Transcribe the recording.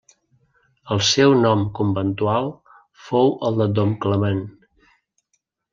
El seu nom conventual fou el de Dom Clement.